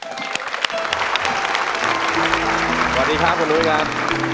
สวัสดีครับคุณนุ้ยครับ